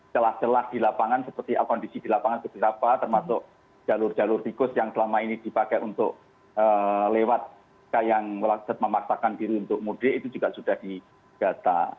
celah celah di lapangan seperti kondisi di lapangan seperti apa termasuk jalur jalur tikus yang selama ini dipakai untuk lewat yang memaksakan diri untuk mudik itu juga sudah didata